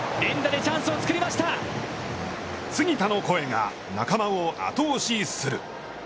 杉田の声が仲間を後押しする。